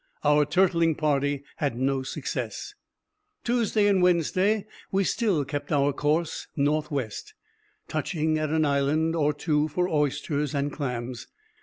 Our turtling party had no success. Tuesday and Wednesday we still kept our course north west, touching at an island or two for oysters and clams.